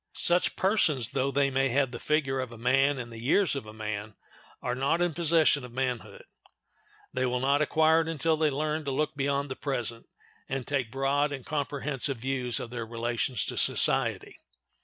Such persons, though they may have the figure of a man and the years of a man, are not in possession of manhood; they will not acquire it until they learn to look beyond the present, and take broad and comprehensive views of their relations to society.